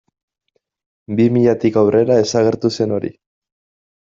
Bi milatik aurrera desagertu zen hori.